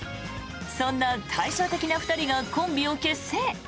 そんな対照的な２人がコンビを結成。